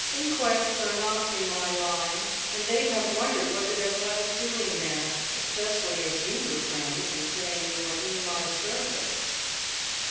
Inquests are not in my line, and they'd have wondered what the devil I was doing there, especially as you refrained from saying you were in my service."